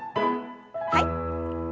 はい。